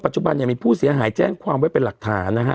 จุบันเนี่ยมีผู้เสียหายแจ้งความไว้เป็นหลักฐานนะฮะ